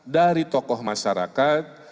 dari tokoh masyarakat